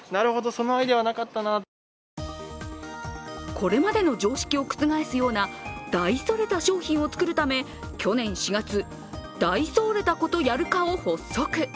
これまでの常識を覆すような大それた商品を作るため去年４月、ダイソーれたことやる課を発足。